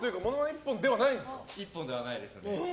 一本ではないんですか。